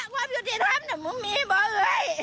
ว่าอยู่ที่ทำน่ะมึงมีบอกเลย